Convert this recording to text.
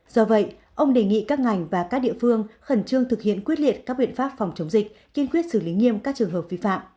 do vậy ông đề nghị các ngành và các địa phương khẩn trương thực hiện quyết liệt các biện pháp phòng chống dịch kiên quyết xử lý nghiêm các trường hợp vi phạm